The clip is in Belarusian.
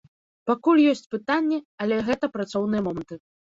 Пакуль ёсць пытанні, але гэта працоўныя моманты.